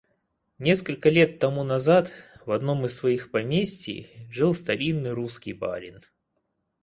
Несколько лет тому назад в одном из своих поместий жил старинный русский барин.